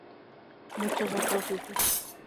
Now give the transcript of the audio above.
Muchos otros usos.